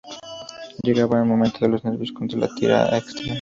Llegaba el momento de los nervios con la tirada extra.